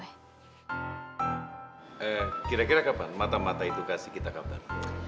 ehh kira kira kapan mata mata itu kasih kita kabar